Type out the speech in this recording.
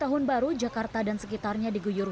saya rusak sih